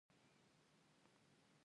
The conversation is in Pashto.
نه هم چا د بوټانو پر ځای غنم په پښو کړي